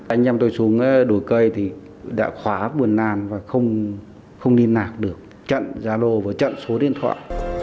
anh em tôi xuống đổi cây thì đã khóa buồn lan và không đi nạc được chận gia lô và chận số điện thoại